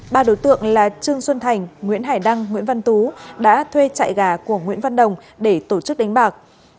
ba đối tượng là trương xuân thành nguyễn hải đăng nguyễn văn tú đã thuê chạy gà của nguyễn văn đồng để tổ chức đánh bạc